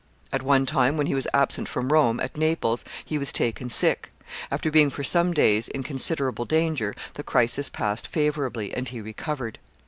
At one time, when he was absent from Rome, at Naples, he was taken sick. After being for some days in considerable danger, the crisis passed favorably, and he recovered.